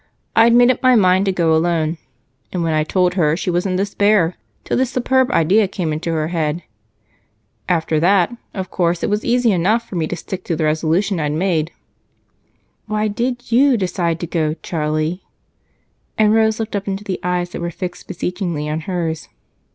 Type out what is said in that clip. I'd made up my mind to go alone, and when I told her, she was in despair till this superb idea came into her head. After that, of course, it was easy enough for me to stick to the resolution I'd made." "Why did you decide to go, Charlie?" And Rose looked up into the eyes that were fixed beseechingly on hers.